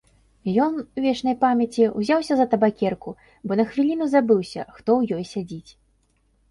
Ён, вечнай памяці, узяўся за табакерку, бо на хвіліну забыўся, хто ў ёй сядзіць.